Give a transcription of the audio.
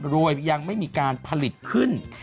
โดยยังไม่มีการผลิตขึ้น